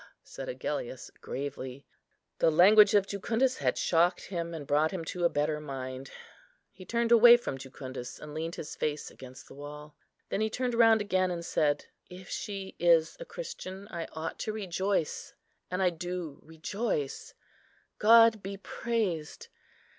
said Agellius, gravely. The language of Jucundus had shocked him, and brought him to a better mind. He turned away from Jucundus, and leant his face against the wall. Then he turned round again, and said, "If she is a Christian, I ought to rejoice, and I do rejoice; God be praised.